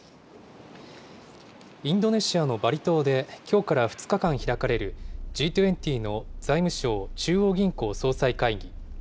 インドネシアのバリ島できょうから２日間開かれる、Ｇ２０の財務相・中央銀行総裁会議。